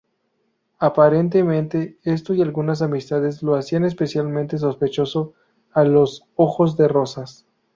Aparentemente, esto y algunas amistades lo hacían especialmente sospechoso a los ojos de Rosas.